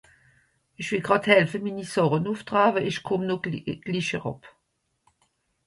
Ìch wìll gràd helfe, mini Sàche nùff traawe, ìch kùmm no glich eràb.